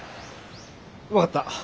分かった。